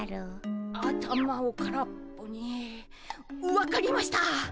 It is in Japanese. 分かりました。